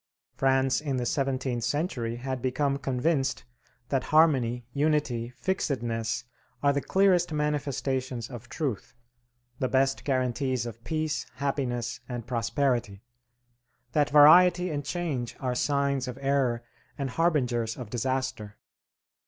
France in the seventeenth century had become convinced that harmony, unity, fixedness, are the clearest manifestations of truth, the best guarantees of peace, happiness, and prosperity; that variety and change are signs of error and harbingers of disaster.